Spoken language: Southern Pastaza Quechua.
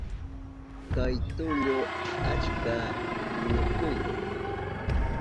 Kay tullu achka ñuchkuyu.